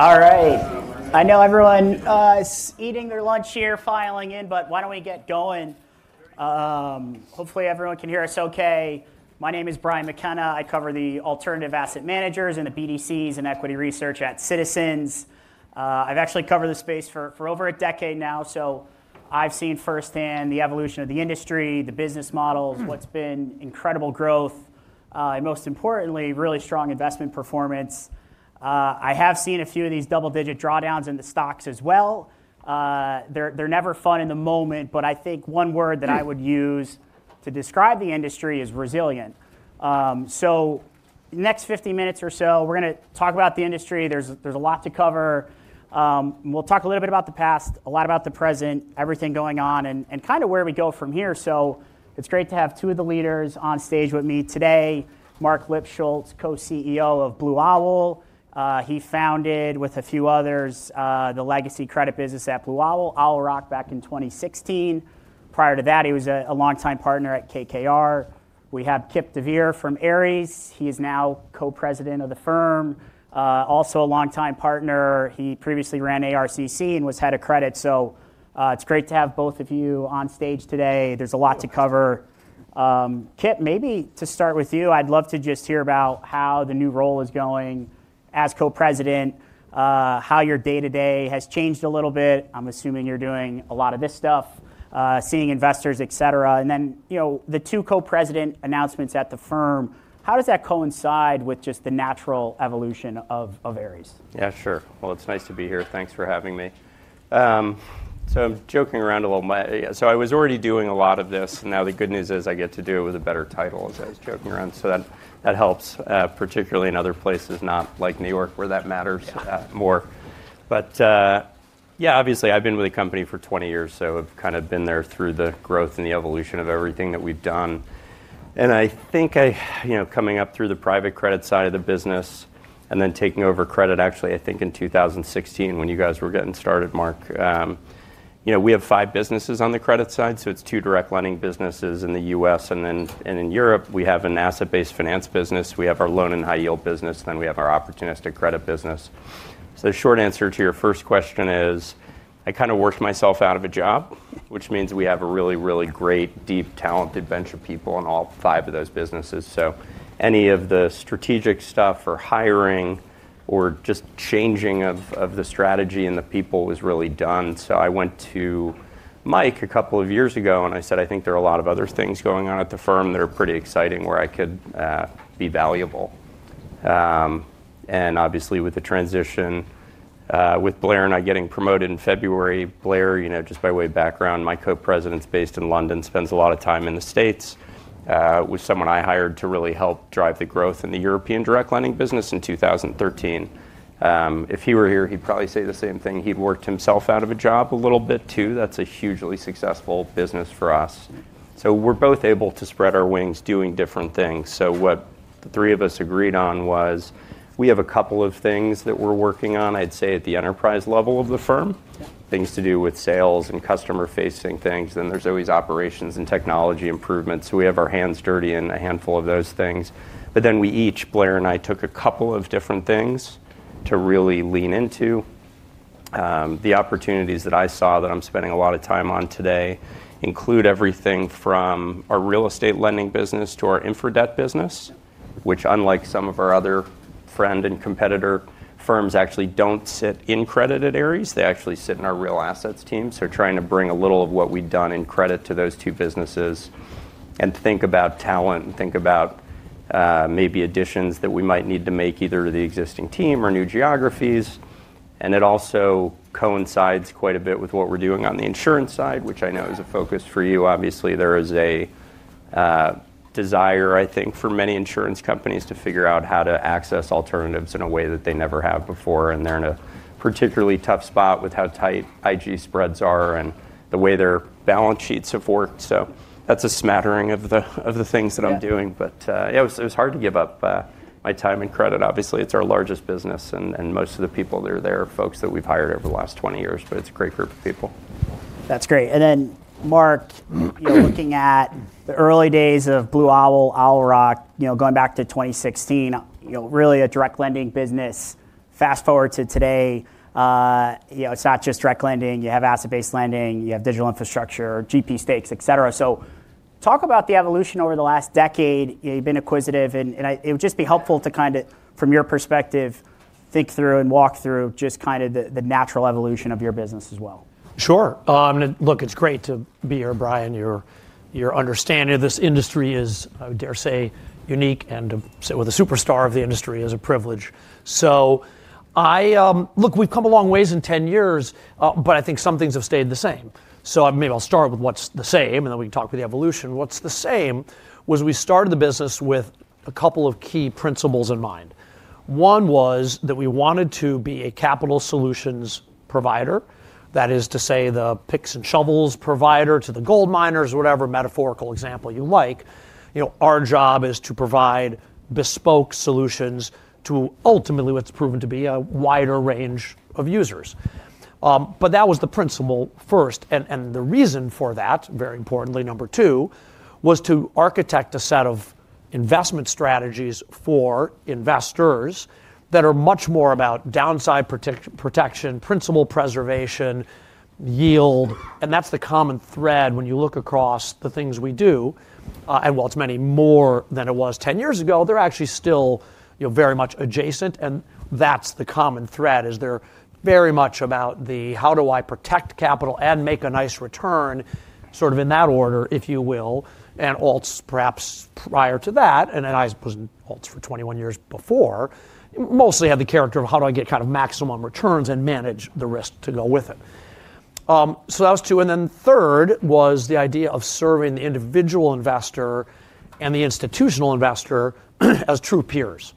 All right. I know everyone's eating their lunch here, filing in, but why don't we get going? Hopefully, everyone can hear us OK. My name is Brian McKenna. I cover the alternative asset managers and the BDCs and equity research at Citizens. I've actually covered the space for over a decade now, so I've seen firsthand the evolution of the industry, the business models, what's been incredible growth, and most importantly, really strong investment performance. I have seen a few of these double-digit drawdowns in the stocks as well. They're never fun in the moment, but I think one word that I would use to describe the industry is resilient. The next 50 min or so, we're going to talk about the industry. There's a lot to cover. We'll talk a little bit about the past, a lot about the present, everything going on, and kind of where we go from here. So it's great to have two of the leaders on stage with me today: Marc Lipschultz, co-CEO of Blue Owl. He founded, with a few others, the legacy credit business at Blue Owl, Owl Rock, back in 2016. Prior to that, he was a longtime partner at KKR. We have Kipp deVeer from Ares. He is now co-President of the firm, also a longtime partner. He previously ran ARCC and was head of credit. So it's great to have both of you on stage today. There's a lot to cover. Kipp, maybe to start with you, I'd love to just hear about how the new role is going as co-president, how your day-to-day has changed a little bit? I'm assuming you're doing a lot of this stuff, seeing investors, et cetera. And then the two co-President announcements at the firm, how does that coincide with just the natural evolution of Ares? Yeah, sure. Well, it's nice to be here. Thanks for having me. So I'm joking around a little bit. So I was already doing a lot of this, and now the good news is I get to do it with a better title, as I was joking around. So that helps, particularly in other places, not like New York, where that matters more. But yeah, obviously, I've been with the company for 20 years, so I've kind of been there through the growth and the evolution of everything that we've done. And I think coming up through the private credit side of the business and then taking over credit, actually, I think in 2016, when you guys were getting started, Marc, we have five businesses on the credit side. So it's two direct lending businesses in the U.S. and in Europe. We have an Asset-based finance business. We have our Loan and High-yield business. Then we have our Opportunistic Credit business. So the short answer to your first question is I kind of worked myself out of a job, which means we have a really, really great, deep, talented bunch of people in all five of those businesses. So any of the strategic stuff or hiring or just changing of the strategy and the people was really done. So I went to Mike a couple of years ago, and I said, I think there are a lot of other things going on at the firm that are pretty exciting where I could be valuable. And obviously, with the transition, with Blair and I getting promoted in February, Blair, just by way of background, my co-President's based in London, spends a lot of time in the States with someone I hired to really help drive the growth in the European direct lending business in 2013. If he were here, he'd probably say the same thing. He'd worked himself out of a job a little bit, too. That's a hugely successful business for us. So we're both able to spread our wings doing different things. So what the three of us agreed on was we have a couple of things that we're working on, I'd say, at the enterprise level of the firm, things to do with sales and customer-facing things. Then there's always operations and technology improvements. So we have our hands dirty in a handful of those things. But then we each, Blair and I, took a couple of different things to really lean into. The opportunities that I saw that I'm spending a lot of time on today include everything from our real estate lending business to our infra debt business, which, unlike some of our other friend and competitor firms, actually don't sit in credit at Ares. They actually sit in our real assets team. So trying to bring a little of what we've done in credit to those two businesses and think about talent and think about maybe additions that we might need to make either to the existing team or new geographies. And it also coincides quite a bit with what we're doing on the insurance side, which I know is a focus for you. Obviously, there is a desire, I think, for many insurance companies to figure out how to access alternatives in a way that they never have before. And they're in a particularly tough spot with how tight IG spreads are and the way their balance sheets have worked. So that's a smattering of the things that I'm doing. But yeah, it was hard to give up my time and credit. Obviously, it's our largest business, and most of the people that are there are folks that we've hired over the last 20 years, but it's a great group of people. That's great. And then, Marc, looking at the early days of Blue Owl, Owl Rock, going back to 2016, really a direct lending business. Fast forward to today, it's not just direct lending. You have asset-based lending. You have digital infrastructure, GP stakes, et cetera. So talk about the evolution over the last decade. You've been acquisitive. And it would just be helpful to kind of, from your perspective, think through and walk through just kind of the natural evolution of your business as well? Sure. Look, it's great to be here, Brian. Your understanding of this industry is, I would dare say, unique. And to sit with a superstar of the industry is a privilege. So look, we've come a long way in 10 years, but I think some things have stayed the same. So maybe I'll start with what's the same, and then we can talk about the evolution. What's the same was we started the business with a couple of key principles in mind. One was that we wanted to be a capital solutions provider. That is to say, the picks and shovels provider to the gold miners, whatever metaphorical example you like. Our job is to provide bespoke solutions to ultimately what's proven to be a wider range of users. But that was the principle first. And the reason for that, very importantly, number two, was to architect a set of investment strategies for investors that are much more about downside protection, principal preservation, yield. And that's the common thread when you look across the things we do. And while it's many more than it was 10 years ago, they're actually still very much adjacent. And that's the common thread is they're very much about the, how do I protect capital and make a nice return, sort of in that order, if you will. And Alts, perhaps prior to that, and I was in Alts for 21 years before, mostly had the character of how do I get kind of maximum returns and manage the risk to go with it. So that was two. And then third was the idea of serving the individual investor and the institutional investor as true peers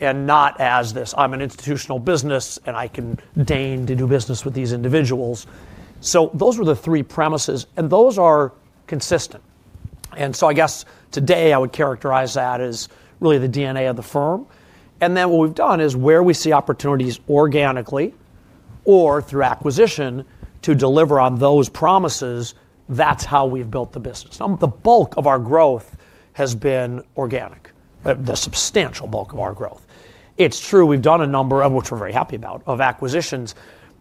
and not as this, I'm an institutional business, and I can deign to do business with these individuals. So those were the three premises. And those are consistent. And so I guess today I would characterize that as really the DNA of the firm. And then what we've done is where we see opportunities organically or through acquisition to deliver on those promises, that's how we've built the business. The bulk of our growth has been organic, the substantial bulk of our growth. It's true. We've done a number of, which we're very happy about, of acquisitions.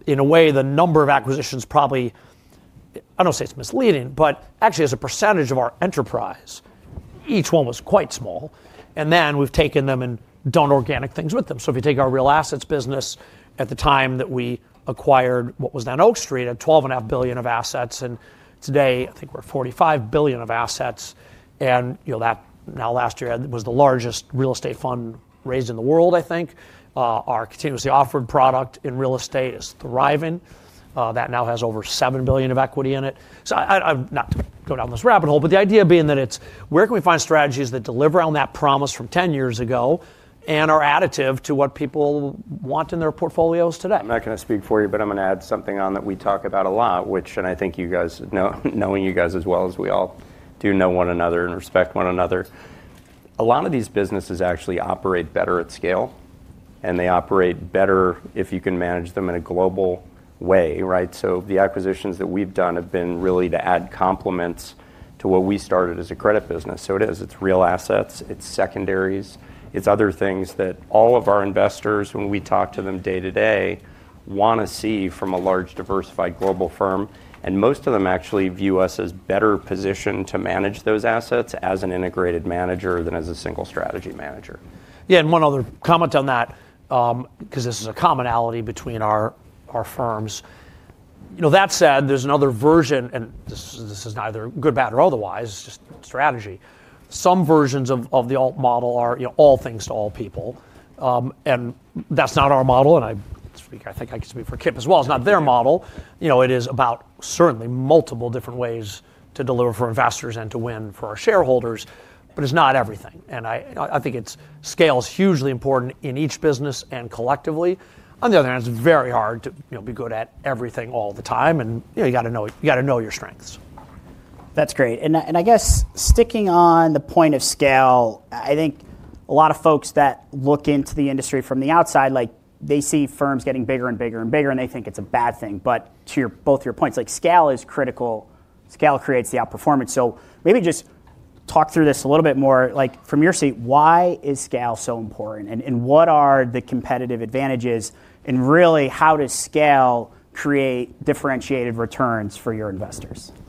In a way, the number of acquisitions probably, I don't want to say it's misleading, but actually as a percentage of our enterprise, each one was quite small. And then we've taken them and done organic things with them. So if you take our real assets business at the time that we acquired what was then Oak Street, had $12.5 billion of assets. And today, I think we're at $45 billion of assets. And now last year was the largest real estate fund raised in the world, I think. Our continuously offered product in real estate is thriving. That now has over $7 billion of equity in it. So not to go down this rabbit hole, but the idea being that it's where can we find strategies that deliver on that promise from 10 years ago and are additive to what people want in their portfolios today? I'm not going to speak for you, but I'm going to add something on that we talk about a lot, which, and I think you guys, knowing you guys as well as we all do know one another and respect one another, a lot of these businesses actually operate better at scale. And they operate better if you can manage them in a global way. So the acquisitions that we've done have been really to add complements to what we started as a credit business. So it is, it's real assets. It's secondaries. It's other things that all of our investors, when we talk to them day to day, want to see from a large, diversified global firm. And most of them actually view us as better positioned to manage those assets as an integrated manager than as a single strategy manager. Yeah, and one other comment on that, because this is a commonality between our firms. That said, there's another version, and this is neither good, bad, or otherwise, it's just strategy. Some versions of the Alt model are all things to all people. And that's not our model. And I think I can speak for Kipp as well. It's not their model. It is about certainly multiple different ways to deliver for investors and to win for our shareholders, but it's not everything. And I think scale is hugely important in each business and collectively. On the other hand, it's very hard to be good at everything all the time. And you got to know your strengths. That's great. And I guess sticking on the point of scale, I think a lot of folks that look into the industry from the outside, they see firms getting bigger and bigger and bigger, and they think it's a bad thing. But to both your points, scale is critical. Scale creates the outperformance. So maybe just talk through this a little bit more. From your seat, why is scale so important? And what are the competitive advantages? And really, how does scale create differentiated returns for your investors? Yeah,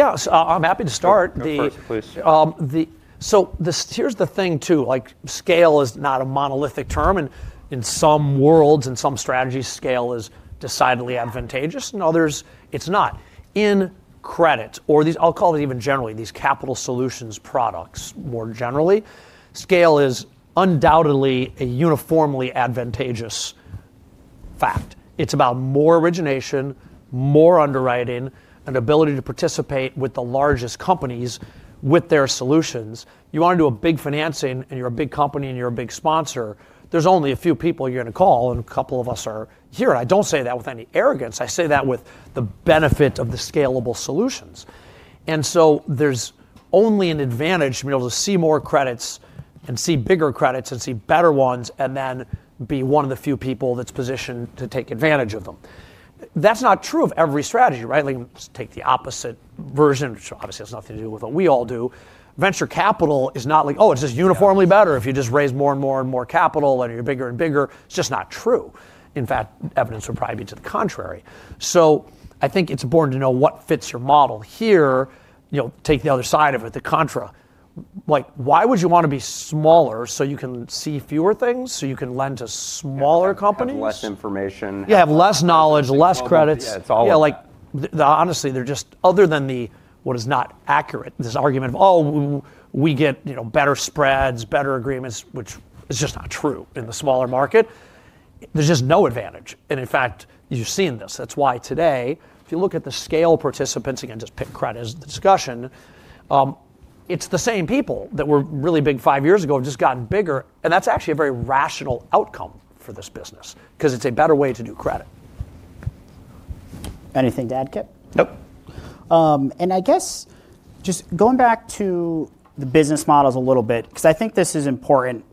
I'm happy to start. So here's the thing, too. Scale is not a monolithic term. And in some worlds, in some strategies, scale is decidedly advantageous. In others, it's not. In credit, or I'll call it even generally, these capital solutions products more generally, scale is undoubtedly a uniformly advantageous fact. It's about more origination, more underwriting, and ability to participate with the largest companies with their solutions. You want to do a big financing, and you're a big company, and you're a big sponsor. There's only a few people you're going to call, and a couple of us are here. And I don't say that with any arrogance. I say that with the benefit of the scalable solutions. And so there's only an advantage to be able to see more credits and see bigger credits and see better ones and then be one of the few people that's positioned to take advantage of them. That's not true of every strategy. Let's take the opposite version, which obviously has nothing to do with what we all do. Venture capital is not like, oh, it's just uniformly better if you just raise more and more and more capital and you're bigger and bigger. It's just not true. In fact, evidence would probably be to the contrary. So I think it's important to know what fits your model here. Take the other side of it, the contra. Why would you want to be smaller so you can see fewer things, so you can lend to smaller companies? Have less information. Yeah, have less knowledge, less credits. Yeah, it's all. Honestly, they're just, other than what is not accurate, this argument of, oh, we get better spreads, better agreements, which is just not true in the smaller market. There's just no advantage. And in fact, you've seen this. That's why today, if you look at the scale participants, again, just pick credit as the discussion, it's the same people that were really big five years ago have just gotten bigger. And that's actually a very rational outcome for this business because it's a better way to do credit. Anything to add, Kipp? Nope. And I guess just going back to the business models a little bit, because I think this is important.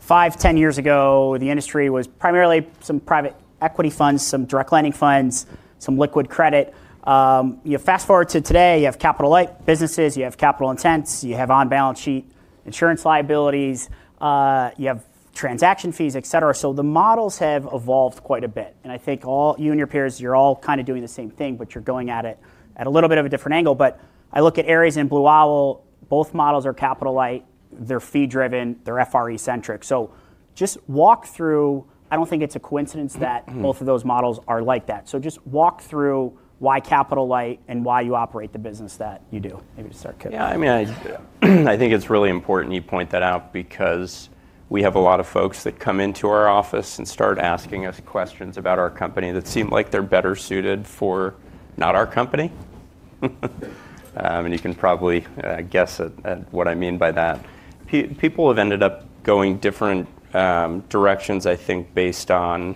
Five, 10 years ago, the industry was primarily some private equity funds, some direct lending funds, some liquid credit. Fast forward to today, you have capital-light businesses. You have capital intents. You have on-balance sheet insurance liabilities. You have transaction fees, et cetera. So the models have evolved quite a bit. And I think all you and your peers, you're all kind of doing the same thing, but you're going at it at a little bit of a different angle. But I look at Ares in Blue Owl, both models are capital-light. They're fee-driven. They're FRE-centric. So just walk through, I don't think it's a coincidence that both of those models are like that. So just walk through why capital-light and why you operate the business that you do. Maybe just start, Kipp. Yeah, I mean, I think it's really important you point that out because we have a lot of folks that come into our office and start asking us questions about our company that seem like they're better suited for not our company. And you can probably guess at what I mean by that. People have ended up going different directions, I think, based on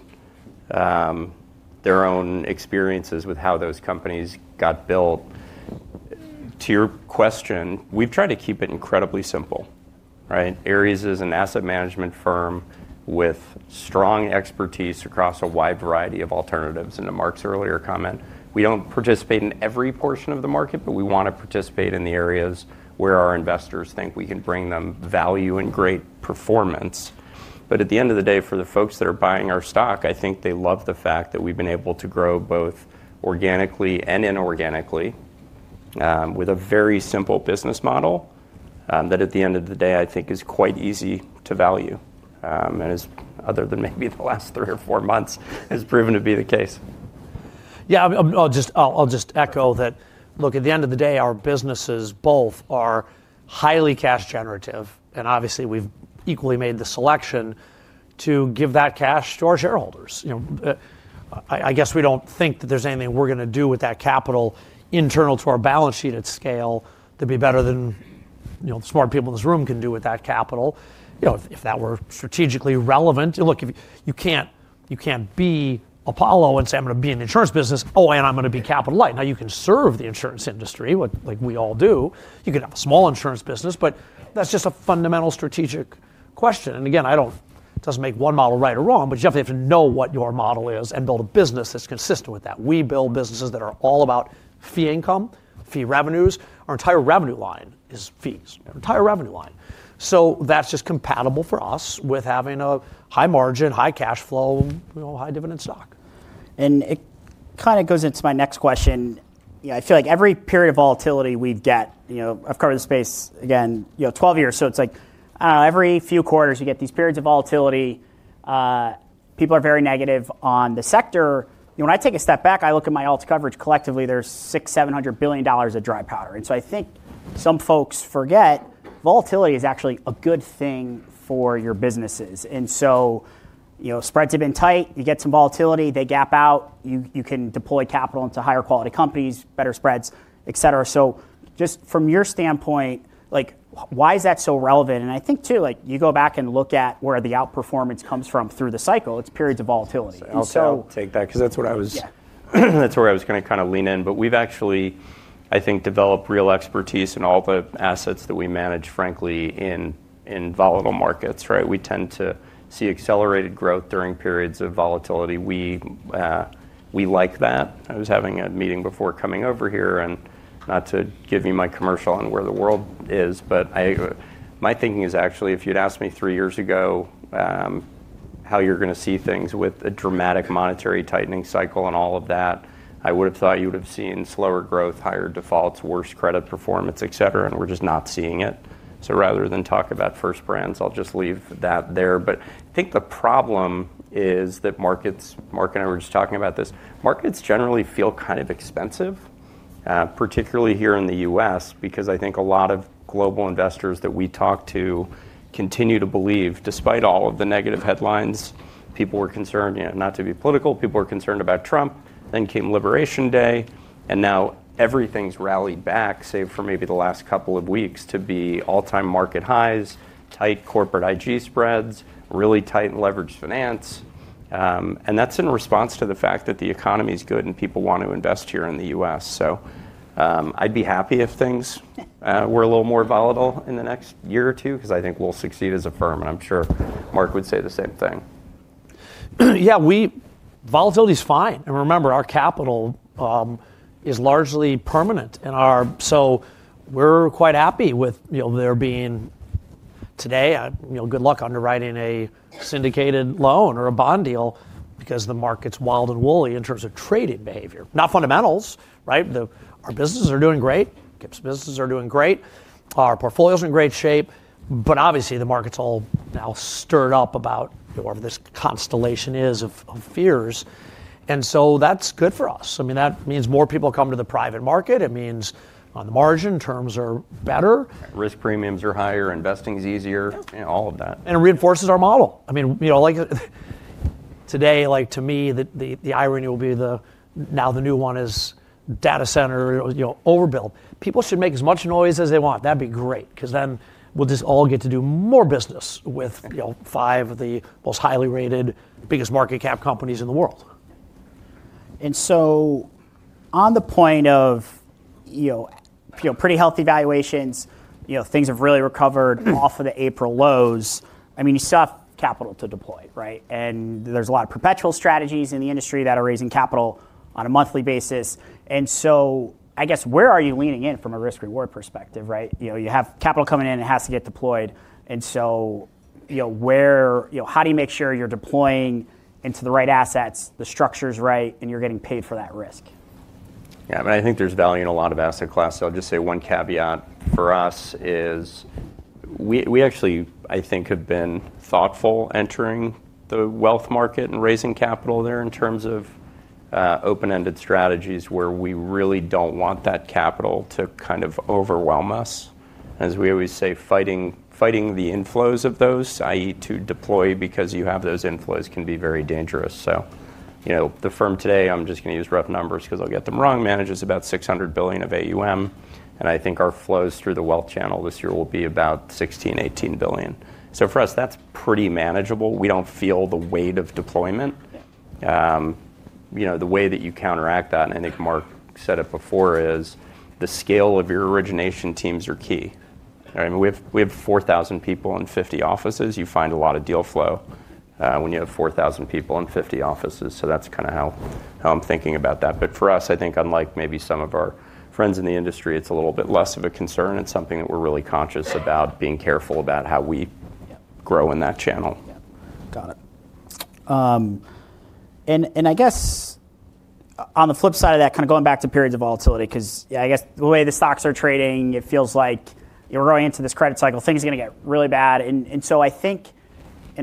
their own experiences with how those companies got built. To your question, we've tried to keep it incredibly simple. Ares is an asset management firm with strong expertise across a wide variety of alternatives. And to Marc's earlier comment, we don't participate in every portion of the market, but we want to participate in the areas where our investors think we can bring them value and great performance. But at the end of the day, for the folks that are buying our stock, I think they love the fact that we've been able to grow both organically and inorganically with a very simple business model that at the end of the day, I think, is quite easy to value. And other than maybe the last three or four months, it's proven to be the case. Yeah, I'll just echo that. Look, at the end of the day, our businesses both are highly cash generative. And obviously, we've equally made the selection to give that cash to our shareholders. I guess we don't think that there's anything we're going to do with that capital internal to our balance sheet at scale that'd be better than the smart people in this room can do with that capital if that were strategically relevant. Look, you can't be Apollo and say, I'm going to be in the insurance business, oh, and I'm going to be capital-light. Now, you can serve the insurance industry, like we all do. You can have a small insurance business, but that's just a fundamental strategic question. And again, it doesn't make one model right or wrong, but you definitely have to know what your model is and build a business that's consistent with that. We build businesses that are all about fee income, fee revenues. Our entire revenue line is fees, our entire revenue line. So that's just compatible for us with having a high margin, high cash flow, high dividend stock. And it kind of goes into my next question. I feel like every period of volatility we've got, I've covered the space, again, 12 years. So it's like, I don't know, every few quarters, you get these periods of volatility. People are very negative on the sector. When I take a step back, I look at my Alt coverage. Collectively, there's $600 billion, $700 billion of dry powder. And so I think some folks forget volatility is actually a good thing for your businesses. And so spreads have been tight. You get some volatility. They gap out. You can deploy capital into higher quality companies, better spreads, et cetera. So just from your standpoint, why is that so relevant? And I think, too, you go back and look at where the outperformance comes from through the cycle. It's periods of volatility. So I'll take that because that's where I was going to kind of lean in. But we've actually, I think, developed real expertise in all the assets that we manage, frankly, in volatile markets. We tend to see accelerated growth during periods of volatility. We like that. I was having a meeting before coming over here. And not to give you my commercial on where the world is, but my thinking is actually, if you'd asked me three years ago how you're going to see things with a dramatic monetary tightening cycle and all of that, I would have thought you would have seen slower growth, higher defaults, worse credit performance, et cetera. And we're just not seeing it. So rather than talk about first brands, I'll just leave that there. But I think the problem is that markets, Marc and I were just talking about this, markets generally feel kind of expensive, particularly here in the U.S., because I think a lot of global investors that we talk to continue to believe, despite all of the negative headlines, people were concerned, not to be political, people were concerned about Trump. Then came Liberation Day. And now everything's rallied back, save for maybe the last couple of weeks, to be all-time market highs, tight corporate IG spreads, really tight and leveraged finance. And that's in response to the fact that the economy is good and people want to invest here in the U.S. So I'd be happy if things were a little more volatile in the next year or two because I think we'll succeed as a firm. And I'm sure Marc would say the same thing. Yeah, volatility is fine. And remember, our capital is largely permanent. And so we're quite happy with there being today, good luck underwriting a syndicated loan or a bond deal because the market's wild and woolly in terms of trading behavior. Not fundamentals. Our businesses are doing great. Kipp's businesses are doing great. Our portfolio is in great shape. But obviously, the market's all now stirred up about whatever this constellation is of fears. And so that's good for us. I mean, that means more people come to the private market. It means on the margin, terms are better. Risk premiums are higher. Investing is easier. All of that. And it reinforces our model. I mean, today, to me, the irony will be now the new one is data center overbuilt. People should make as much noise as they want. That'd be great because then we'll just all get to do more business with five of the most highly rated, biggest market cap companies in the world. And so on the point of pretty healthy valuations, things have really recovered off of the April lows. I mean, you still have capital to deploy. And there's a lot of perpetual strategies in the industry that are raising capital on a monthly basis. And so I guess where are you leaning in from a risk-reward perspective? You have capital coming in. It has to get deployed. And so how do you make sure you're deploying into the right assets, the structure is right, and you're getting paid for that risk? Yeah, I mean, I think there's value in a lot of asset class. So I'll just say one caveat for us is we actually, I think, have been thoughtful entering the wealth market and raising capital there in terms of open-ended strategies where we really don't want that capital to kind of overwhelm us. As we always say, fighting the inflows of those, i.e., to deploy because you have those inflows can be very dangerous. So the firm today, I'm just going to use rough numbers because I'll get them wrong, manages about $600 billion of AUM. And I think our flows through the wealth channel this year will be about $16 billion, $18 billion. So for us, that's pretty manageable. We don't feel the weight of deployment. The way that you counteract that, and I think Marc said it before, is the scale of your origination teams are key. We have 4,000 people in 50 offices. You find a lot of deal flow when you have 4,000 people in 50 offices. So that's kind of how I'm thinking about that. But for us, I think, unlike maybe some of our friends in the industry, it's a little bit less of a concern. It's something that we're really conscious about, being careful about how we grow in that channel. Got it. And I guess on the flip side of that, kind of going back to periods of volatility, because I guess the way the stocks are trading, it feels like we're going into this credit cycle. Things are going to get really bad. And so I think,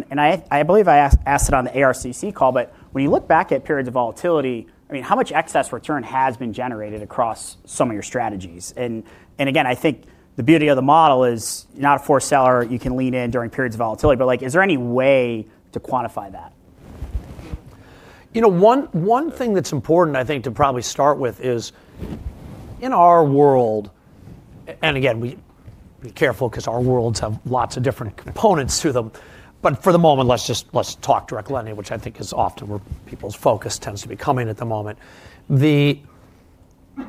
and I believe I asked it on the ARCC call, but when you look back at periods of volatility, I mean, how much excess return has been generated across some of your strategies? And again, I think the beauty of the model is you're not a forced seller. You can lean in during periods of volatility. But is there any way to quantify that? You know, one thing that's important, I think, to probably start with is in our world, and again, be careful because our worlds have lots of different components to them. But for the moment, let's just talk direct lending, which I think is often where people's focus tends to be coming at the moment. In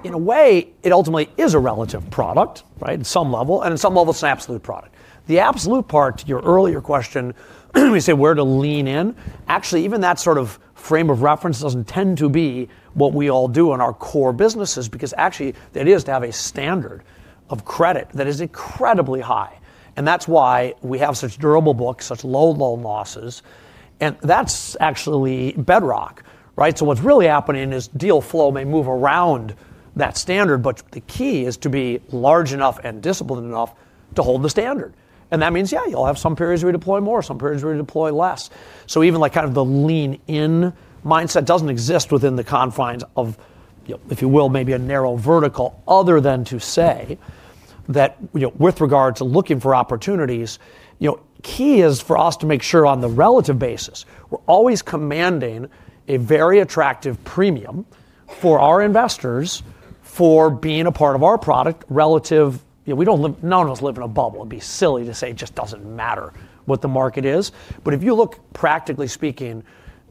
a way, it ultimately is a relative product in some level. And in some level, it's an absolute product. The absolute part, your earlier question, we say where to lean in, actually, even that sort of frame of reference doesn't tend to be what we all do in our core businesses because actually, that is to have a standard of credit that is incredibly high. And that's why we have such durable books, such low loan losses. And that's actually bedrock. So what's really happening is deal flow may move around that standard. But the key is to be large enough and disciplined enough to hold the standard. And that means, yeah, you'll have some periods where you deploy more, some periods where you deploy less. So even kind of the lean-in mindset doesn't exist within the confines of, if you will, maybe a narrow vertical, other than to say that with regard to looking for opportunities, key is for us to make sure on the relative basis, we're always commanding a very attractive premium for our investors for being a part of our product relative. We don't live--no one wants to live in a bubble. It'd be silly to say it just doesn't matter what the market is. But if you look, practically speaking,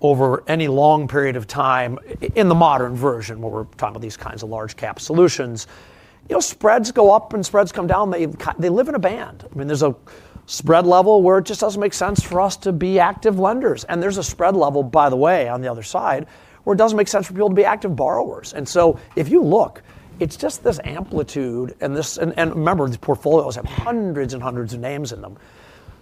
over any long period of time in the modern version, where we're talking about these kinds of large-cap solutions, spreads go up and spreads come down. They live in a band. I mean, there's a spread level where it just doesn't make sense for us to be active lenders. And there's a spread level, by the way, on the other side, where it doesn't make sense for people to be active borrowers. And so if you look, it's just this amplitude. And remember, the portfolios have hundreds and hundreds of names in them.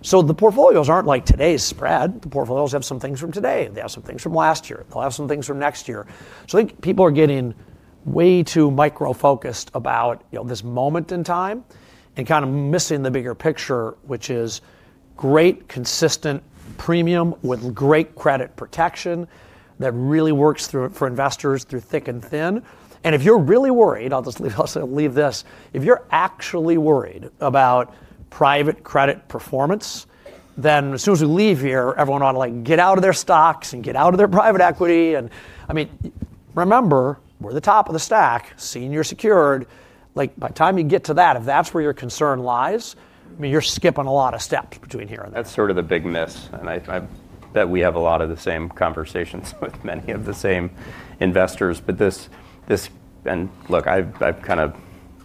So the portfolios aren't like today's spread. The portfolios have some things from today. They have some things from last year. They'll have some things from next year. So I think people are getting way too micro-focused about this moment in time and kind of missing the bigger picture, which is great, consistent premium with great credit protection that really works for investors through thick and thin. And if you're really worried--I'll just leave this--if you're actually worried about private credit performance, then as soon as we leave here, everyone ought to get out of their stocks and get out of their private equity. And I mean, remember, we're the top of the stack, senior secured. By the time you get to that, if that's where your concern lies, I mean, you're skipping a lot of steps between here and there. That's sort of the big miss. And I bet we have a lot of the same conversations with many of the same investors. And look, I've kind of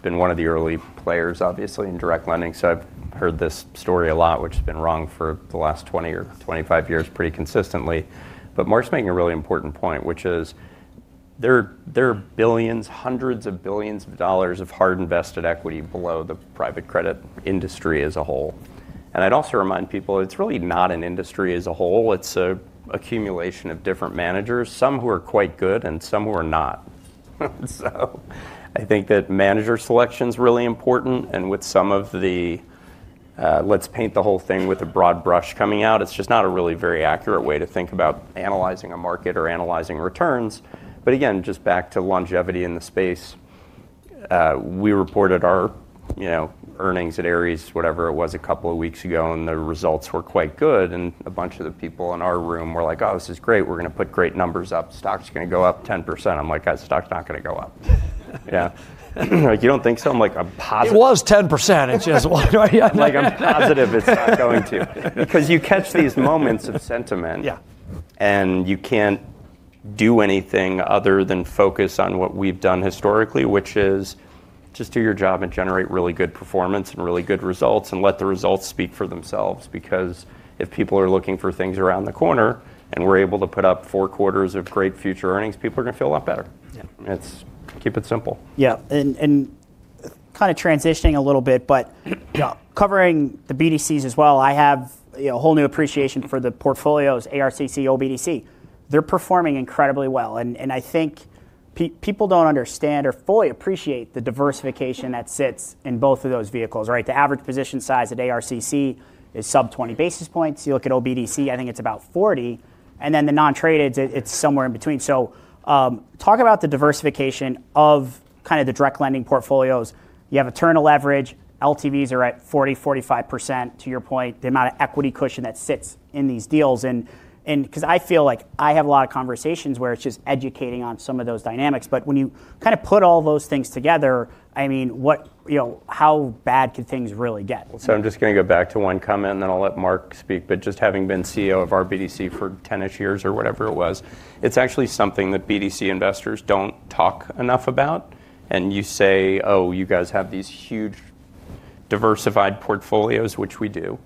been one of the early players, obviously, in direct lending. So I've heard this story a lot, which has been wrong for the last 20 or 25 years pretty consistently. But Marc's making a really important point, which is there are billions, hundreds of billions of dollars of hard-invested equity below the private credit industry as a whole. And I'd also remind people, it's really not an industry as a whole. It's an accumulation of different managers, some who are quite good and some who are not. So I think that manager selection is really important. And with some of the--let's paint the whole thing with a broad brush--coming out, it's just not a really very accurate way to think about analyzing a market or analyzing returns. But again, just back to longevity in the space, we reported our earnings at Ares, whatever it was, a couple of weeks ago. And the results were quite good. And a bunch of the people in our room were like, oh, this is great. We're going to put great numbers up. Stock's going to go up 10%. I'm like, guys, stock's not going to go up. You don't think so? I'm like, I'm positive. It was 10%. It's just. I'm positive it's not going to. Because you catch these moments of sentiment. And you can't do anything other than focus on what we've done historically, which is just do your job and generate really good performance and really good results and let the results speak for themselves. Because if people are looking for things around the corner and we're able to put up four quarters of great future earnings, people are going to feel a lot better. Keep it simple. Yeah. And kind of transitioning a little bit, but covering the BDCs as well, I have a whole new appreciation for the portfolios, ARCC, OBDC. They're performing incredibly well. And I think people don't understand or fully appreciate the diversification that sits in both of those vehicles. The average position size at ARCC is sub-20 basis points. You look at OBDC, I think it's about 40. And then the non-traded, it's somewhere in between. So talk about the diversification of kind of the direct lending portfolios. You have a turn of leverage. LTVs are at 40%, 45%, to your point, the amount of equity cushion that sits in these deals. Because I feel like I have a lot of conversations where it's just educating on some of those dynamics. But when you kind of put all those things together, I mean, how bad could things really get? So I'm just going to go back to one comment, and then I'll let Marc speak. But just having been CEO of our BDC for 10-ish years or whatever it was, it's actually something that BDC investors don't talk enough about. And you say, oh, you guys have these huge diversified portfolios, which we do.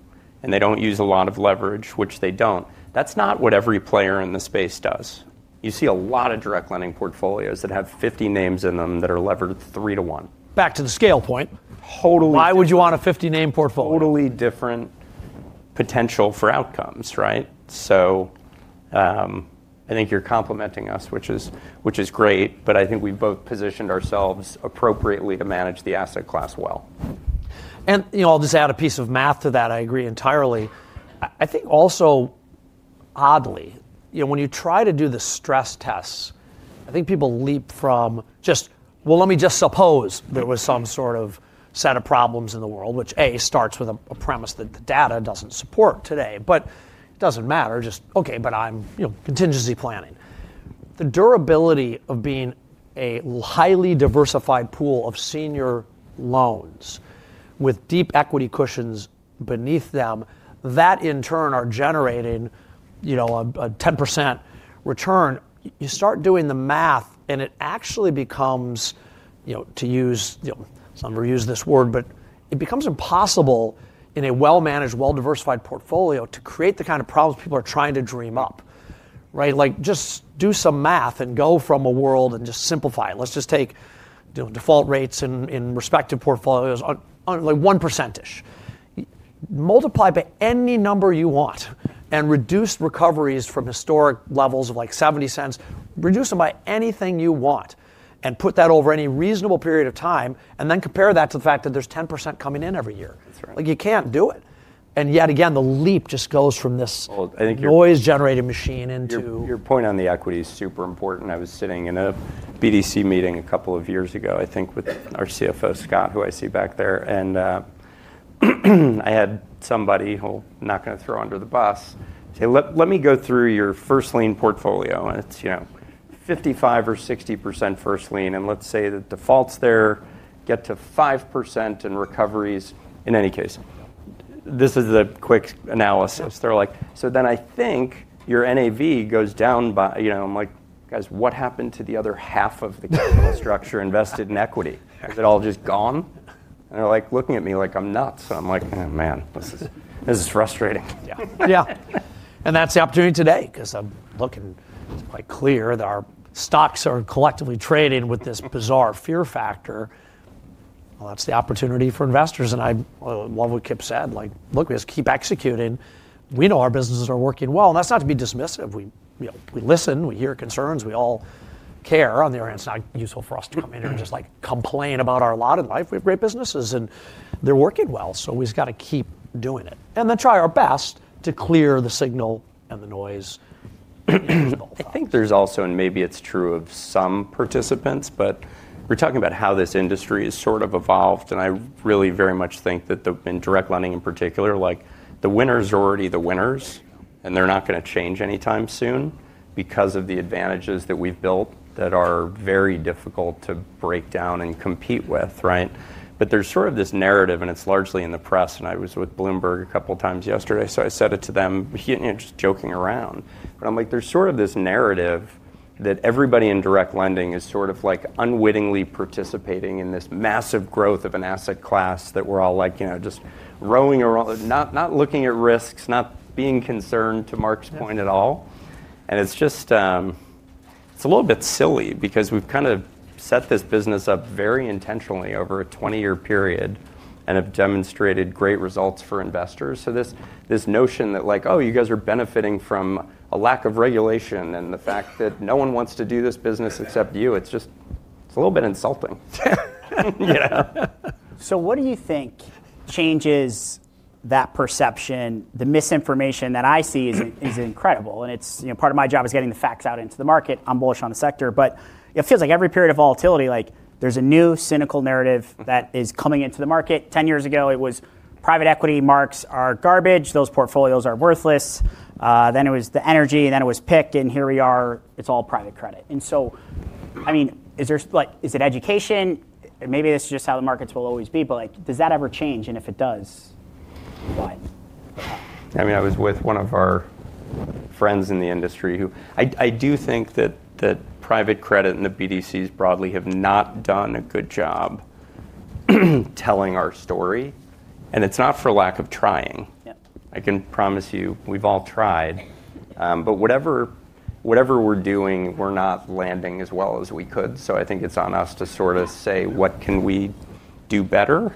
And they don't use a lot of leverage, which they don't. That's not what every player in the space does. You see a lot of direct lending portfolios that have 50 names in them that are levered 3 to 1. Back to the scale point. Totally. Why would you want a 50-name portfolio? Totally different potential for outcomes. So I think you're complementing us, which is great. But I think we've both positioned ourselves appropriately to manage the asset class well. And I'll just add a piece of math to that. I agree entirely. I think also, oddly, when you try to do the stress tests, I think people leap from just, well, let me just suppose there was some sort of set of problems in the world, which, A, starts with a premise that the data doesn't support today. But it doesn't matter. Just, OK, but I'm contingency planning. The durability of being a highly diversified pool of senior loans with deep equity cushions beneath them that, in turn, are generating a 10% return, you start doing the math. And it actually becomes, to use some of our words, but it becomes impossible in a well-managed, well-diversified portfolio to create the kind of problems people are trying to dream up. Just do some math and go from a world and just simplify it. Let's just take default rates in respective portfolios, like 1%-ish. Multiply by any number you want and reduce recoveries from historic levels of like $0.70. Reduce them by anything you want and put that over any reasonable period of time. And then compare that to the fact that there's 10% coming in every year. You can't do it. And yet again, the leap just goes from this noise-generated machine into. Your point on the equity is super important. I was sitting in a BDC meeting a couple of years ago, I think, with our CFO Scott, who I see back there. And I had somebody who I'm not going to throw under the bus say, let me go through your first lien portfolio. And it's 55% or 60% first lien. And let's say the defaults there get to 5% and recoveries in any case. This is a quick analysis. They're like, so then I think your NAV goes down by, I'm like, guys, what happened to the other half of the capital structure invested in equity? Is it all just gone? And they're like looking at me like I'm nuts. And I'm like, man, this is frustrating. Yeah. And that's the opportunity today. Because I'm looking, it's quite clear that our stocks are collectively trading with this bizarre fear factor. Well, that's the opportunity for investors. And I love what Kipp said. Look, we just keep executing. We know our businesses are working well. And that's not to be dismissive. We listen. We hear concerns. We all care. On the other hand, it's not useful for us to come in here and just complain about our lot in life. We have great businesses. And they're working well. So we've got to keep doing it. And then try our best to clear the signal and the noise. I think there's also, and maybe it's true of some participants, but we're talking about how this industry has sort of evolved. And I really very much think that in direct lending in particular, the winners are already the winners. And they're not going to change anytime soon because of the advantages that we've built that are very difficult to break down and compete with. But there's sort of this narrative, and it's largely in the press. And I was with Bloomberg a couple of times yesterday. So I said it to them, just joking around. But I'm like, there's sort of this narrative that everybody in direct lending is sort of like unwittingly participating in this massive growth of an asset class that we're all like just rowing around, not looking at risks, not being concerned to Marc's point at all. And it's just, it's a little bit silly because we've kind of set this business up very intentionally over a 20-year period and have demonstrated great results for investors. So this notion that like, oh, you guys are benefiting from a lack of regulation and the fact that no one wants to do this business except you, it's just, it's a little bit insulting. So what do you think changes that perception? The misinformation that I see is incredible. And part of my job is getting the facts out into the market. I'm bullish on the sector. But it feels like every period of volatility, there's a new cynical narrative that is coming into the market. 10 years ago, it was private equity, marks are garbage. Those portfolios are worthless. Then it was the energy. Then it was pick. And here we are. It's all private credit. And so, I mean, is it education? Maybe this is just how the markets will always be. But does that ever change? And if it does, what? I mean, I was with one of our friends in the industry who I do think that private credit and the BDCs broadly have not done a good job telling our story. And it's not for lack of trying. I can promise you, we've all tried. But whatever we're doing, we're not landing as well as we could. So I think it's on us to sort of say, what can we do better?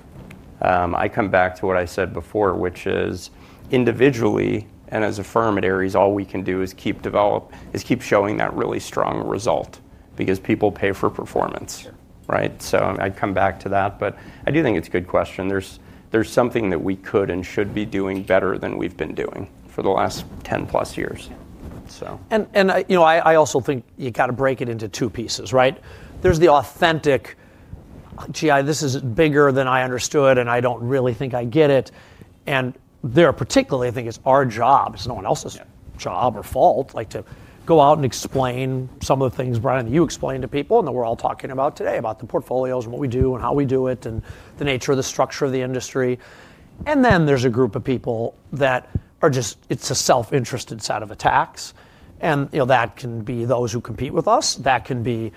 I come back to what I said before, which is individually and as a firm at Ares, all we can do is keep showing that really strong result because people pay for performance. So I'd come back to that. But I do think it's a good question. There's something that we could and should be doing better than we've been doing for the last 10-plus years. And I also think you've got to break it into two pieces. There's the authentic, gee, this is bigger than I understood. And I don't really think I get it. And there are particularly, I think it's our job. It's no one else's job or fault to go out and explain some of the things, Brian, that you explain to people and that we're all talking about today about the portfolios and what we do and how we do it and the nature of the structure of the industry. And then there's a group of people that are just, it's a self-interested set of attacks. And that can be those who compete with us. That can be,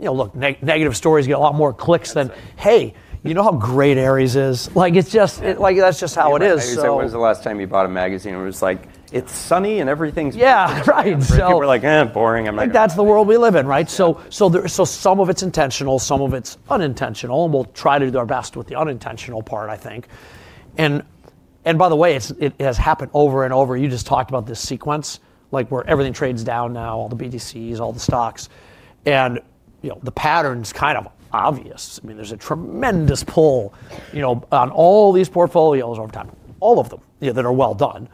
look, negative stories get a lot more clicks than, hey, you know how great Ares is? That's just how it is. I always say, when was the last time you bought a magazine? It was like, it's sunny and everything's. Yeah, right. And people were like, boring. That's the world we live in. So some of it's intentional. Some of it's unintentional. And we'll try to do our best with the unintentional part, I think. And by the way, it has happened over and over. You just talked about this sequence where everything trades down now, all the BDCs, all the stocks. And the pattern's kind of obvious. I mean, there's a tremendous pull on all these portfolios over time, all of them that are well done,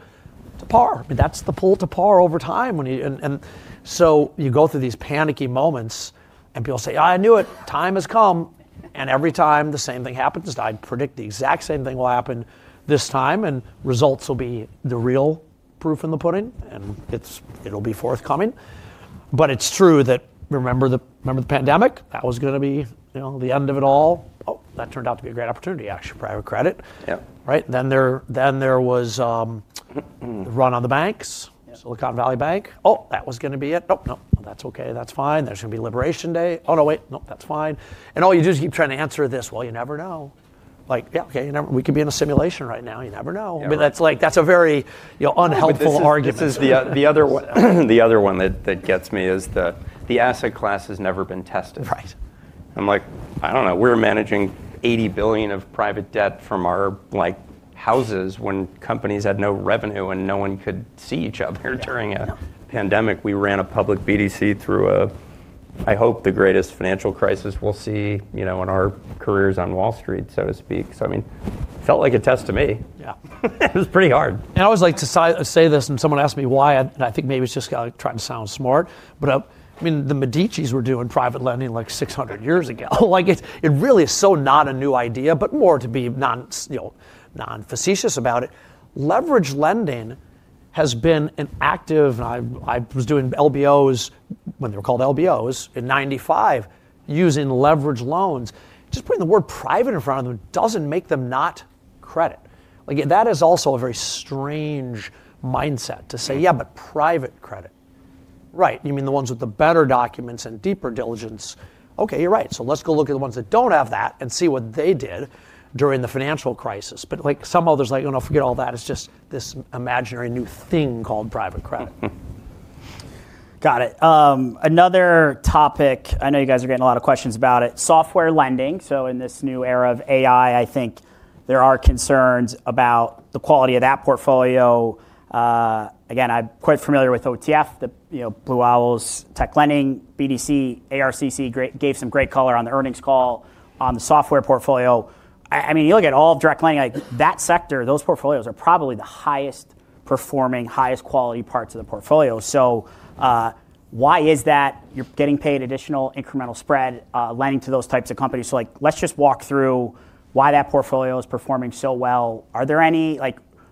to par. That's the pull to par over time. And so you go through these panicky moments. And people say, oh, I knew it. Time has come. And every time the same thing happens, I predict the exact same thing will happen this time. And results will be the real proof in the pudding. And it'll be forthcoming. But it's true that, remember the pandemic? That was going to be the end of it all. Oh, that turned out to be a great opportunity, actually, private credit. Then there was the run on the banks, Silicon Valley Bank. Oh, that was going to be it. Oh, no. That's OK. That's fine. There's going to be Liberation Day. Oh, no, wait. No, that's fine. And all you do is keep trying to answer this. Well, you never know. Yeah, OK. We could be in a simulation right now. You never know. I mean, that's a very unhelpful argument. The other one that gets me is the asset class has never been tested. I'm like, I don't know. We're managing $80 billion of private debt from our houses when companies had no revenue and no one could see each other during a pandemic. We ran a public BDC through, I hope, the greatest financial crisis we'll see in our careers on Wall Street, so to speak. So I mean, it felt like a test to me. It was pretty hard. And I always like to say this. And someone asked me why. And I think maybe it's just trying to sound smart. But I mean, the Medicis were doing private lending like 600 years ago. It really is so not a new idea, but more to be non-facetious about it. Leverage lending has been an active, and I was doing LBOs, when they were called LBOs, in '95, using leverage loans. Just putting the word private in front of them doesn't make them not credit. That is also a very strange mindset to say, yeah, but private credit. Right. You mean the ones with the better documents and deeper diligence? OK, you're right. So let's go look at the ones that don't have that and see what they did during the financial crisis. But some others are like, no, forget all that. It's just this imaginary new thing called Private Credit. Got it. Another topic, I know you guys are getting a lot of questions about it, Software Lending. So in this new era of AI, I think there are concerns about the quality of that portfolio. Again, I'm quite familiar with OTF, the Blue Owls Tech Lending. BDC, ARCC gave some great color on the earnings call on the software portfolio. I mean, you look at all of direct lending, that sector, those portfolios are probably the highest performing, highest quality parts of the portfolio. So why is that? You're getting paid additional incremental spread lending to those types of companies. So let's just walk through why that portfolio is performing so well. Are there any,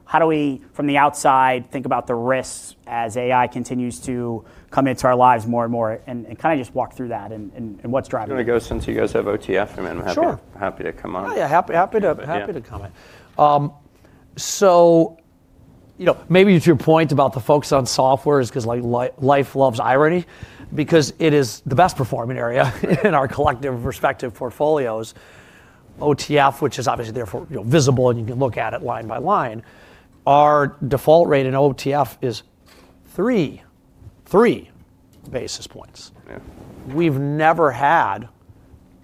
how do we, from the outside, think about the risks as AI continues to come into our lives more and more? And kind of just walk through that and what's driving it. I'm going to go since you guys have OTF. I'm happy to come on. Yeah, happy to comment. So maybe to your point about the folks on software is because life loves irony. Because it is the best performing area in our collective respective portfolios. OTF, which is obviously therefore visible. And you can look at it line by line. Our default rate in OTF is 3, 3 basis points. We've never had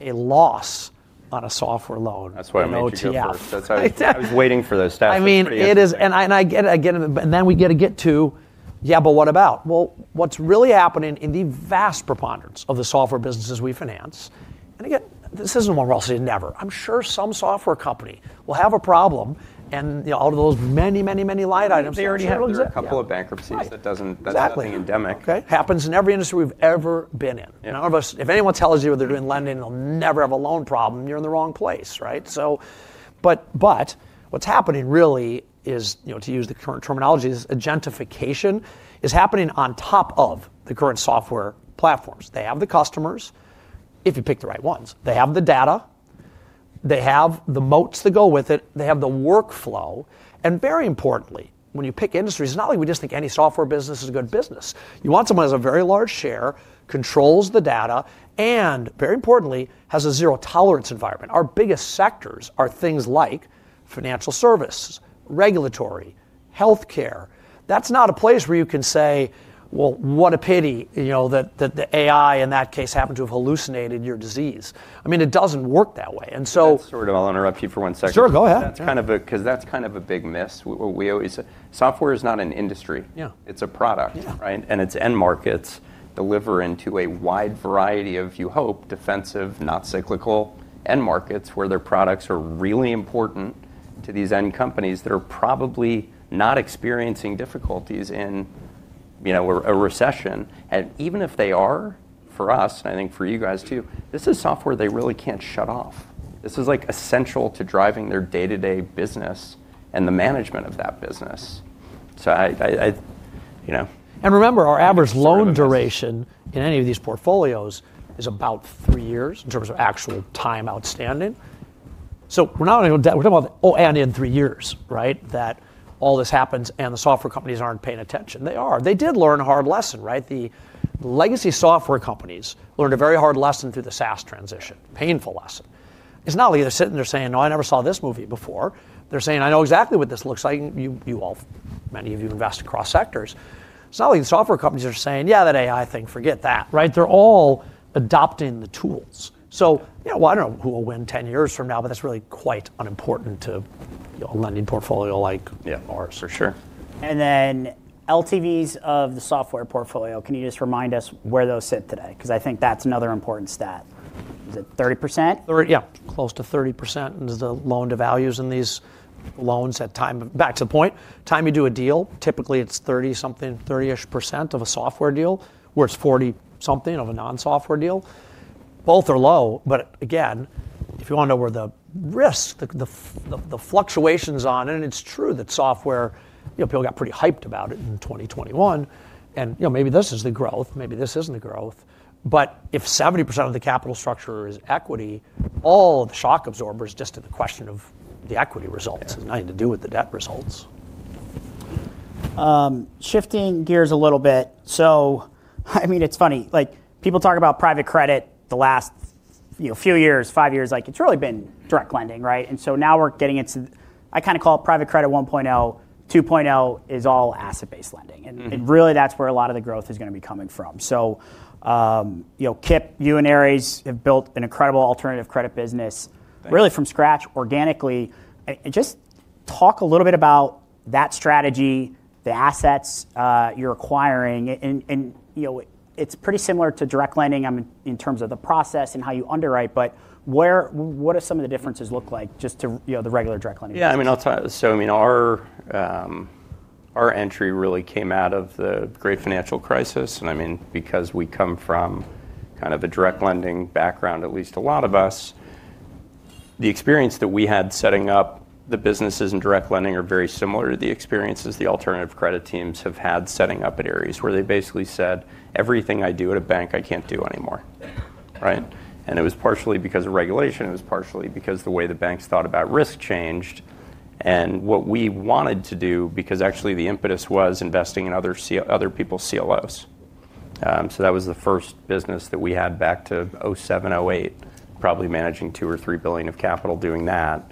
a loss on a software loan. That's why I made you first. I was waiting for those stats for you. I mean, it is. Again, we get to, yeah, but what about? What is really happening in the vast preponderance of the software businesses we finance? Again, this is not one we will say never. I am sure some software company will have a problem. Out of those many, many, many line items. There are a couple of bankruptcies that aren't being endemic. Happens in every industry we've ever been in. If anyone tells you they're doing lending, they'll never have a loan problem. You're in the wrong place. What is happening really, to use the current terminology, is gentrification is happening on top of the current software platforms. They have the customers, if you pick the right ones. They have the data. They have the moats that go with it. They have the workflow. Very importantly, when you pick industries, it's not like we just think any software business is a good business. You want someone who has a very large share, controls the data, and very importantly, has a zero tolerance environment. Our biggest sectors are things like financial services, regulatory, health care. That's not a place where you can say, what a pity that the AI in that case happened to have hallucinated your disease. I mean, it doesn't work that way. Sorry, I'll interrupt you for one second. Sure, go ahead. Because that's kind of a big miss. Software is not an industry. It's a product. Its end markets deliver into a wide variety of, you hope, defensive, not cyclical end markets where their products are really important to these end companies that are probably not experiencing difficulties in a recession. Even if they are, for us, and I think for you guys too, this is software they really can't shut off. This is essential to driving their day-to-day business and the management of that business. Remember, our average loan duration in any of these portfolios is about three years in terms of actual time outstanding. We are not only talking about, oh, and in three years that all this happens and the software companies are not paying attention. They are. They did learn a hard lesson. The legacy software companies learned a very hard lesson through the SaaS transition, painful lesson. It is not like they are sitting there saying, no, I never saw this movie before. They are saying, I know exactly what this looks like. You all, many of you invest across sectors. It is not like the software companies are saying, yeah, that AI thing, forget that. They are all adopting the tools. I do not know who will win 10 years from now. That is really quite unimportant to a lending portfolio like ours. For sure. LTVs of the software portfolio, can you just remind us where those sit today? Because I think that's another important stat. Is it 30%? Yeah, close to 30%. And the loan to values in these loans at time, back to the point, time you do a deal, typically it's 30-something, 30-ish % of a software deal where it's 40-something of a non-software deal. Both are low. Again, if you want to know where the risk, the fluctuations on it, and it's true that software, people got pretty hyped about it in 2021. Maybe this is the growth. Maybe this isn't the growth. If 70% of the capital structure is equity, all the shock absorber is just to the question of the equity results. It has nothing to do with the debt results. Shifting gears a little bit. I mean, it's funny. People talk about private credit the last few years, five years. It's really been direct lending. Now we're getting into, I kind of call it private credit 1.0. 2.0 is all asset-based lending. Really, that's where a lot of the growth is going to be coming from. Kip, you and Ares have built an incredible alternative credit business really from scratch, organically. Just talk a little bit about that strategy, the assets you're acquiring. It's pretty similar to direct lending in terms of the process and how you underwrite. What do some of the differences look like just to the regular direct lending? Yeah, I mean, our entry really came out of the great financial crisis. I mean, because we come from kind of a direct lending background, at least a lot of us, the experience that we had setting up the businesses in direct lending are very similar to the experiences the alternative credit teams have had setting up at Ares where they basically said, everything I do at a bank, I cannot do anymore. It was partially because of regulation. It was partially because the way the banks thought about risk changed. What we wanted to do, because actually the impetus was investing in other people's CLOs. That was the first business that we had back to 2007, 2008, probably managing $2 billion or $3 billion of capital doing that.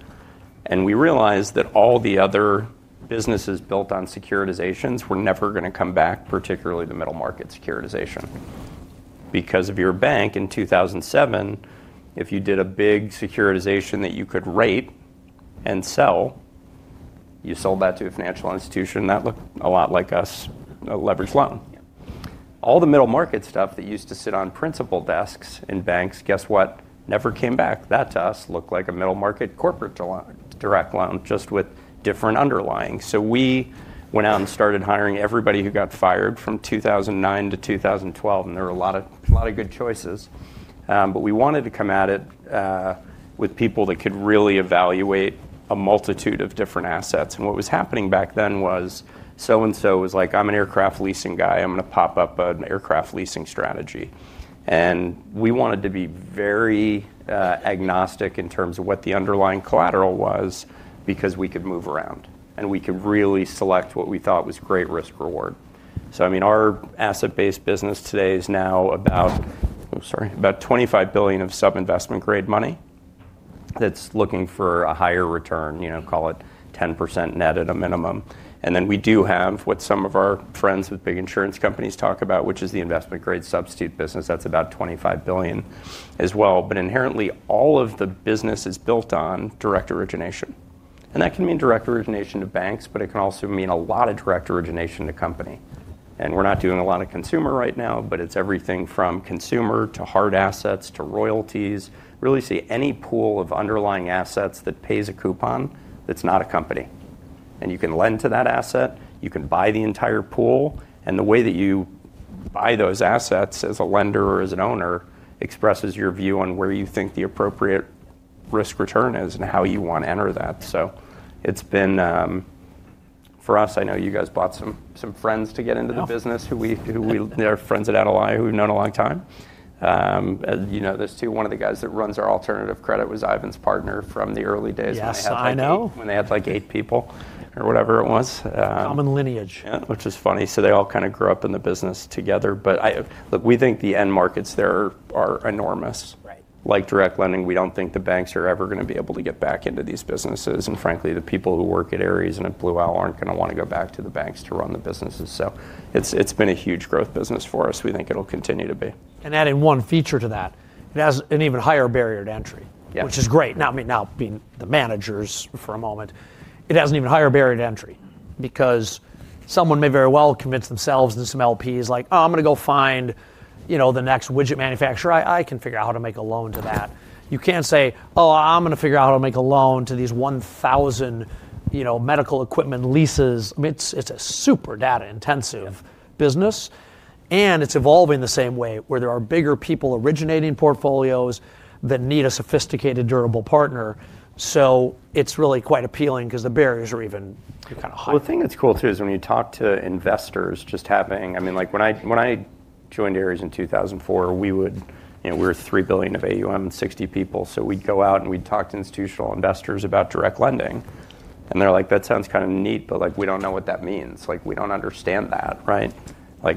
We realized that all the other businesses built on securitizations were never going to come back, particularly the middle market securitization. Because if you were a bank in 2007, if you did a big securitization that you could rate and sell, you sold that to a financial institution. That looked a lot like us, a leverage loan. All the middle market stuff that used to sit on principal desks in banks, guess what? Never came back. That to us looked like a middle market corporate direct loan just with different underlying. We went out and started hiring everybody who got fired from 2009 to 2012. There were a lot of good choices. We wanted to come at it with people that could really evaluate a multitude of different assets. What was happening back then was so-and-so was like, I'm an aircraft leasing guy. I'm going to pop up an aircraft leasing strategy. We wanted to be very agnostic in terms of what the underlying collateral was because we could move around. We could really select what we thought was great risk-reward. I mean, our asset-based business today is now about, sorry, about $25 billion of sub-investment grade money that's looking for a higher return, call it 10% net at a minimum. We do have what some of our friends with big insurance companies talk about, which is the investment grade substitute business. That's about $25 billion as well. Inherently, all of the business is built on direct origination. That can mean direct origination to banks. It can also mean a lot of direct origination to company. We're not doing a lot of consumer right now. It is everything from consumer to hard assets to royalties. Really see any pool of underlying assets that pays a coupon that is not a company. You can lend to that asset. You can buy the entire pool. The way that you buy those assets as a lender or as an owner expresses your view on where you think the appropriate risk return is and how you want to enter that. It has been, for us, I know you guys bought some friends to get into the business who are our friends at Adelie who we have known a long time. There are two. One of the guys that runs our alternative credit was Ivan's partner from the early days when I had that company, when they had like eight people or whatever it was. Common lineage. Yeah, which is funny. They all kind of grew up in the business together. Look, we think the end markets there are enormous. Like direct lending, we do not think the banks are ever going to be able to get back into these businesses. Frankly, the people who work at Ares and at Blue Owl are not going to want to go back to the banks to run the businesses. It has been a huge growth business for us. We think it will continue to be. Adding one feature to that, it has an even higher barrier to entry, which is great. Now, being the managers for a moment, it has an even higher barrier to entry. Because someone may very well convince themselves and some LPs like, oh, I'm going to go find the next widget manufacturer. I can figure out how to make a loan to that. You can't say, oh, I'm going to figure out how to make a loan to these 1,000 medical equipment leases. I mean, it's a super data intensive business. And it's evolving the same way where there are bigger people originating portfolios that need a sophisticated durable partner. It's really quite appealing because the barriers are even kind of higher. The thing that's cool too is when you talk to investors just having, I mean, when I joined Ares in 2004, we were $3 billion of AUM, 60 people. We'd go out and we'd talk to institutional investors about direct lending. They're like, that sounds kind of neat. We don't know what that means. We don't understand that.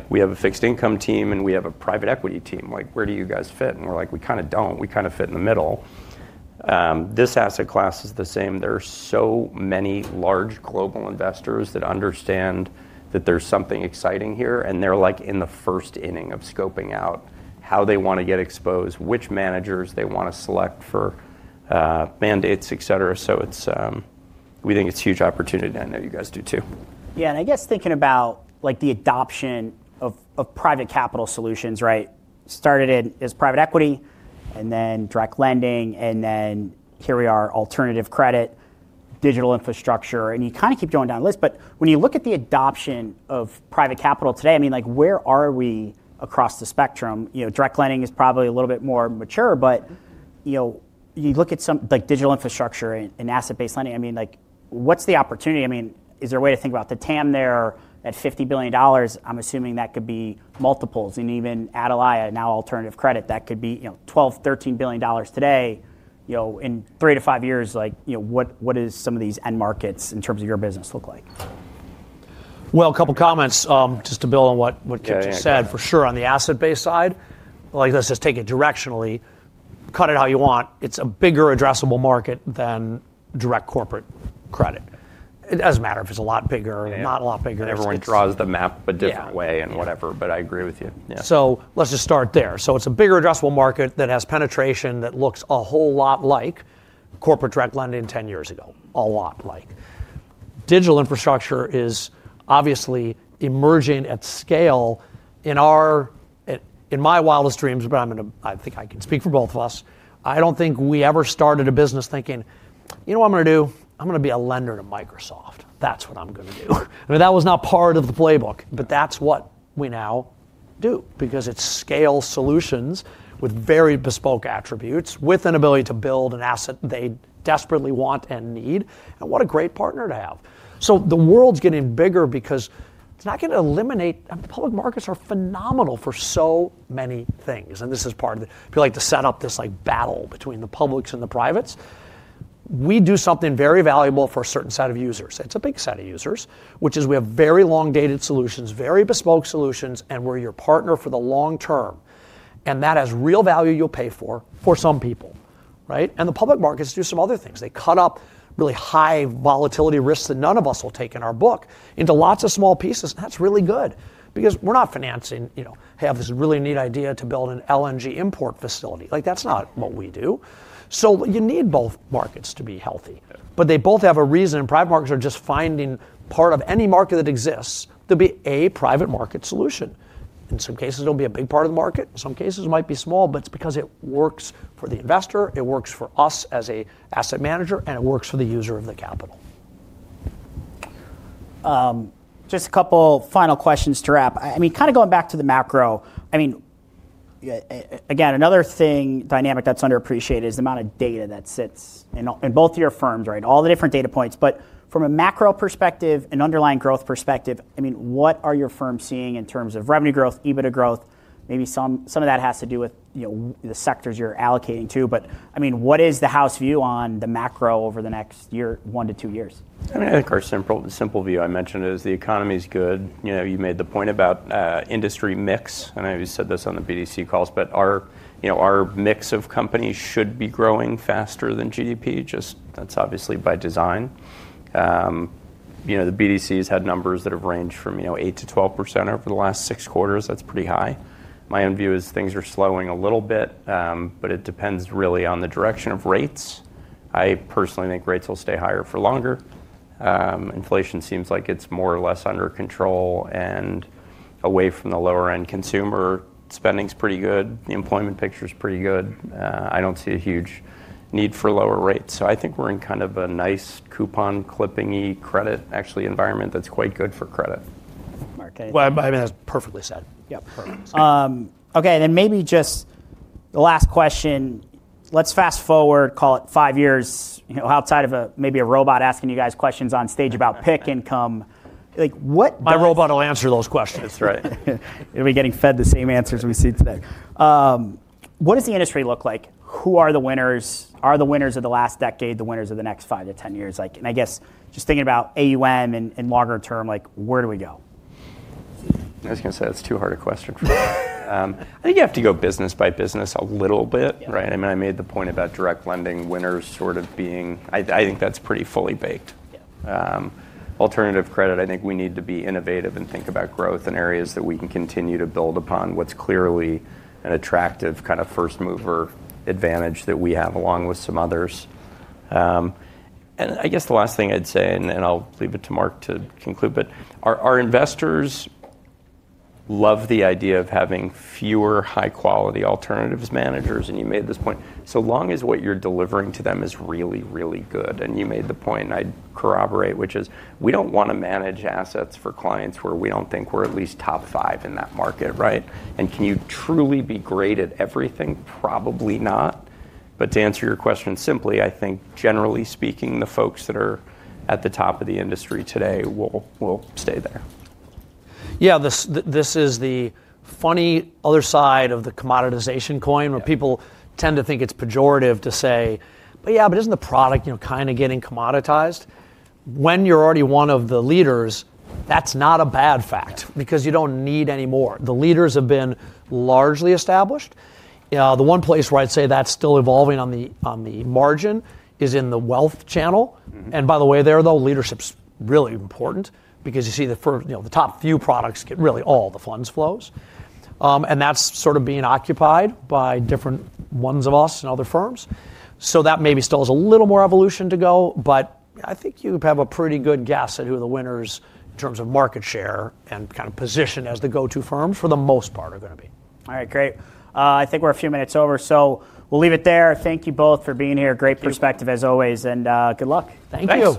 We have a fixed income team. We have a private equity team. Where do you guys fit? We're like, we kind of don't. We kind of fit in the middle. This asset class is the same. There are so many large global investors that understand that there's something exciting here. They're like in the first inning of scoping out how they want to get exposed, which managers they want to select for mandates, et cetera. We think it's a huge opportunity. I know you guys do too. Yeah, and I guess thinking about the adoption of private capital solutions, started it as private equity and then direct lending. And then here we are, alternative credit, digital infrastructure. And you kind of keep going down the list. But when you look at the adoption of private capital today, I mean, where are we across the spectrum? Direct lending is probably a little bit more mature. But you look at digital infrastructure and asset-based lending, I mean, what's the opportunity? I mean, is there a way to think about the TAM there at $50 billion? I'm assuming that could be multiples. And even, now alternative credit, that could be $12 billion-$13 billion today. In three to five years, what do some of these end markets in terms of your business look like? A couple of comments just to build on what Kipp just said. For sure, on the asset-based side, let's just take it directionally. Cut it how you want. It's a bigger addressable market than direct corporate credit. It doesn't matter if it's a lot bigger or not a lot bigger. Everyone draws the map a different way and whatever. I agree with you. Let's just start there. It's a bigger addressable market that has penetration that looks a whole lot like corporate direct lending 10 years ago, a lot like. Digital infrastructure is obviously emerging at scale in my wildest dreams. I think I can speak for both of us. I don't think we ever started a business thinking, you know what I'm going to do? I'm going to be a lender to Microsoft. That's what I'm going to do. I mean, that was not part of the playbook. That's what we now do. Because it's scale solutions with very bespoke attributes with an ability to build an asset they desperately want and need. What a great partner to have. The world's getting bigger because it's not going to eliminate. Public markets are phenomenal for so many things. This is part of the people like to set up this battle between the publics and the privates. We do something very valuable for a certain set of users. It's a big set of users, which is we have very long-dated solutions, very bespoke solutions, and we're your partner for the long term. That has real value you'll pay for for some people. The public markets do some other things. They cut up really high volatility risks that none of us will take in our book into lots of small pieces. That is really good. We are not financing, hey, I have this really neat idea to build an LNG import facility. That is not what we do. You need both markets to be healthy. They both have a reason. Private markets are just finding part of any market that exists, there'll be a private market solution. In some cases, it'll be a big part of the market. In some cases, it might be small. It is because it works for the investor. It works for us as an asset manager. It works for the user of the capital. Just a couple of final questions to wrap. I mean, kind of going back to the macro, I mean, again, another thing, dynamic that's underappreciated is the amount of data that sits in both of your firms, all the different data points. From a macro-perspective and underlying growth perspective, I mean, what are your firms seeing in terms of revenue growth, EBITDA growth? Maybe some of that has to do with the sectors you're allocating to. I mean, what is the House view on the macro over the next year, one to two years? I mean, I think our simple view I mentioned is the economy is good. You made the point about industry mix. I always said this on the BDC calls. Our mix of companies should be growing faster than GDP. Just that's obviously by design. The BDC has had numbers that have ranged from 8%-12% over the last six quarters. That's pretty high. My own view is things are slowing a little bit. It depends really on the direction of rates. I personally think rates will stay higher for longer. Inflation seems like it's more or less under control and away from the lower-end consumer. Spending's pretty good. The employment picture's pretty good. I don't see a huge need for lower rates. I think we're in kind of a nice coupon clipping-y credit, actually, environment that's quite good for credit. I mean, that's perfectly said. Yeah, perfect. OK, and then maybe just the last question. Let's fast forward, call it five years outside of maybe a robot asking you guys questions on stage about pick income? My robot will answer those questions. That's right. He'll be getting fed the same answers we see today. What does the industry look like? Who are the winners? Are the winners of the last decade the winners of the next five to 10 years? I guess just thinking about AUM and longer term, where do we go? I was going to say that's too hard a question for me. I think you have to go business by business a little bit. I mean, I made the point about direct lending winners sort of being, I think that's pretty fully baked. Alternative credit, I think we need to be innovative and think about growth in areas that we can continue to build upon what's clearly an attractive kind of first mover advantage that we have along with some others. I guess the last thing I'd say, I'll leave it to Marc to conclude. Our investors love the idea of having fewer high-quality alternatives managers. You made this point. So long as what you're delivering to them is really, really good. You made the point, and I corroborate, which is we do not want to manage assets for clients where we do not think we are at least top five in that market. Can you truly be great at everything? Probably not. To answer your question simply, I think generally speaking, the folks that are at the top of the industry today will stay there. Yeah, this is the funny other side of the commoditization coin where people tend to think it's pejorative to say, but yeah, but isn't the product kind of getting commoditized? When you're already one of the leaders, that's not a bad fact. Because you don't need any more. The leaders have been largely established. The one place where I'd say that's still evolving on the margin is in the wealth channel. By the way, there, though, leadership's really important. Because you see the top few products get really all the funds flows. That's sort of being occupied by different ones of us and other firms. That maybe still has a little more evolution to go. I think you have a pretty good guess at who the winners in terms of market share and kind of position as the go-to firms for the most part are going to be. All right, great. I think we're a few minutes over. We'll leave it there. Thank you both for being here. Great perspective as always. Good luck. Thanks. Thank you.